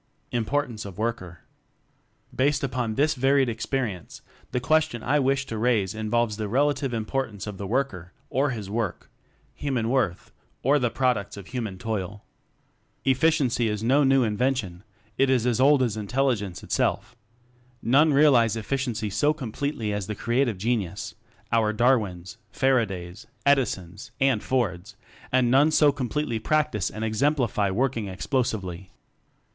Importance of Worker Based upon this varied experience, the question I wish to raise involves the relative importance of the work er, or his work human worth, or the products of human toil. Efficiency is no new invention; it is as old as intelligence itself. None realize efficiency so completely as the creative genius, our Darwins, Faradays, Edisons, and Fords, and none so completely practice and ex emplify working explosively.